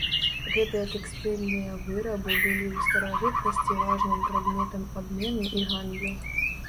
Гэтыя тэкстыльныя вырабы былі ў старажытнасці важным прадметам абмену і гандлю.